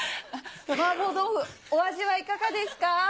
麻婆豆腐お味はいかがですか？